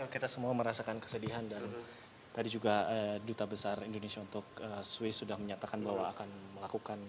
kita semua merasakan kesedihan dan tadi juga duta besar indonesia untuk swiss sudah menyatakan bahwa akan melakukan